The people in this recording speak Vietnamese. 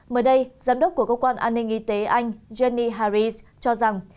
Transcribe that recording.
mới đây giám đốc của cơ quan an ninh y tế anh jenny harris cho rằng